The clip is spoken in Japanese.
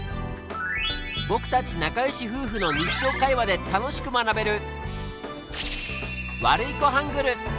僕たち仲よし夫婦の日常会話で楽しく学べる